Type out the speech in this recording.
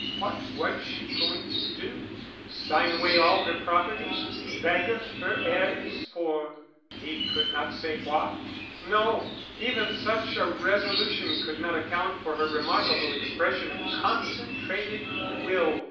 What was she going to do? Sign away all her property? Beggar her heirs for He could not say what. No; even such a resolution could not account for her remarkable expression of concentrated will.